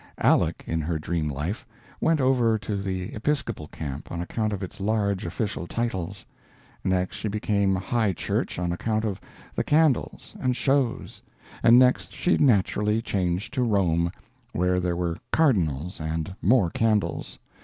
Aleck, in her dream life, went over to the Episcopal camp, on account of its large official titles; next she became High church on account of the candles and shows; and next she naturally changed to Rome, where there were cardinals and more candles.